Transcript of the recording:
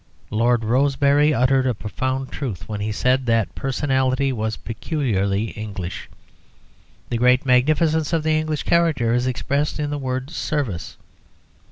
Lord Rosebery uttered a profound truth when he said that that personality was peculiarly English. The great magnificence of the English character is expressed in the word "service."